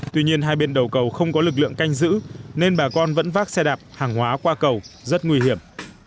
tuy nhiên hai bên đầu cầu không có lực lượng canh giữ nên bà con vẫn vác xe đạp hàng hóa qua cầu rất nguy hiểm